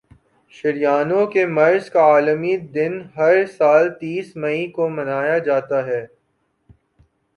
شریانوں کے مرض کا عالمی دن ہر سال تیس مئی کو منایا جاتا ہے